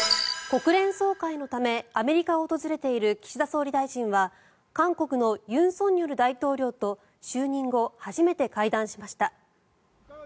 国連総会のためアメリカを訪れている岸田総理大臣は韓国の尹錫悦大統領と就任後、初めて会談しました。